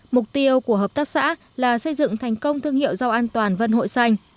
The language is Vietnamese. mục tiêu của hợp tác xã là xây dựng thành công thương hiệu rau an toàn vân hội xanh